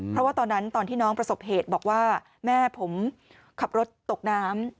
เพราะว่าตอนนั้นตอนที่น้องประสบเหตุบอกว่าแม่ผมขับรถตกน้ำ